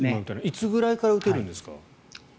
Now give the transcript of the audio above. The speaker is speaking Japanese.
いつぐらいから打てるんですか？